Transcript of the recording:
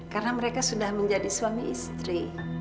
karena mereka sudah menjadi suami istri